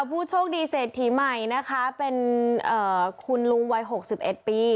ผู้โชคดีเศรษฐีใหม่นะคะเป็นเอ่อคุณลุงวัยหกสิบเอ็ดปี